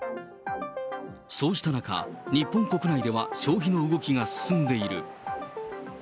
そうした中、日本国内では消費の動きが進んでいる。